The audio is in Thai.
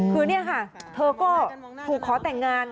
คือนี่ค่ะเธอก็ถูกขอแต่งงาน